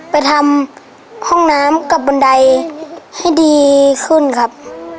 ไปทำห้องน้ำกับบันไดให้ดีขึ้นครับ